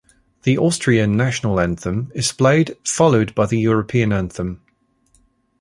The Austrian national anthem is played followed by the European anthem.